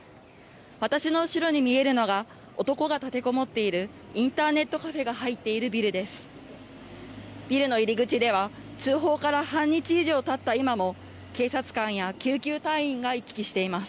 私の後ろに見えるのが、男が立てこもっているインターネットカフェが入っているビルです。